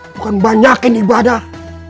bukan banyakin ibadah